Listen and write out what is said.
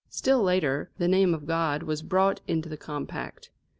Still later, the name of God was brought into the compact.